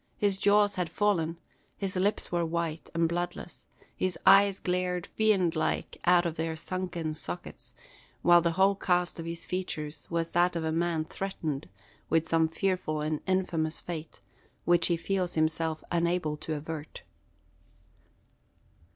His jaws had fallen; his lips were white and bloodless; his eyes glared fiend like out of their sunken sockets; while the whole cast of his features was that of a man threatened with some fearful and infamous fate, which he feels himself unable to avert.